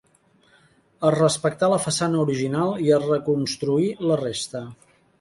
Es respectà la façana original i es reconstruí la resta.